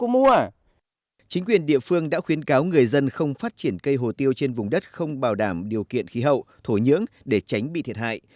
chính quyền địa phương đã khuyến cáo người dân không phát triển cây hồ tiêu trên vùng đất không bảo đảm điều kiện khí hậu thổ nhưỡng để tránh bị thiệt hại